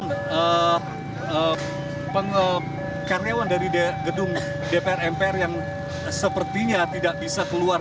dan pengekaryawan dari gedung dpr mpr yang sepertinya tidak bisa keluar